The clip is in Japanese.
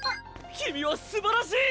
君はすばらしい！